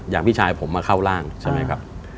พี่ชายผมมาเข้าร่างใช่ไหมครับ